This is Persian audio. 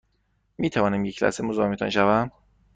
می توانم یک لحظه مزاحمتان شوم؟